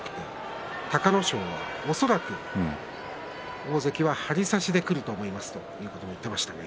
隆の勝は恐らく大関は張り差しでくると思いますと話していました。